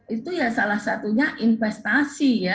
itu ya salah satunya investasi ya